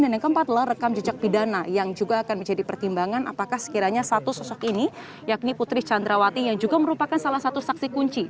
dan yang keempat adalah rekam jejak pidana yang juga akan menjadi pertimbangan apakah sekiranya satu sosok ini yakni putri candrawati yang juga merupakan salah satu saksi kunci